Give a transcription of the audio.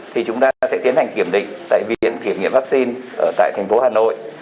thì chúng ta sẽ tiến hành kiểm định tại viện kiểm nghiệm vaccine tại tp hcm